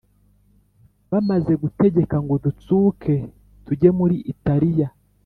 Bamaze gutegeka ngo dutsuke tujye muri Italiya